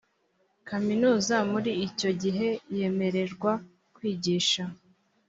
kaminuza muri icyo gihe yemererwa kwigisha